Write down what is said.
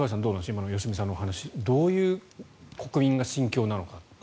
今の良純さんのお話どういう、国民は心境なのか。